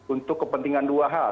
untuk kepentingan dua hal